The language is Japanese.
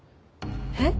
えっ？